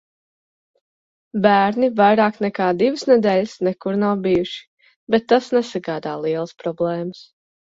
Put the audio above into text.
Bērni vairāk nekā divas nedēļas nekur nav bijuši, bet tas nesagādā lielas problēmas.